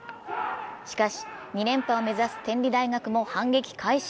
しかし２連覇を目指す天理大学も反撃開始。